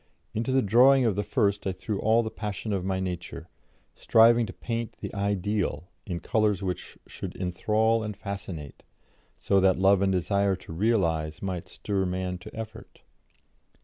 Into the drawing of the first I threw all the passion of my nature, striving to paint the Ideal in colours which should enthral and fascinate, so that love and desire to realise might stir man to effort.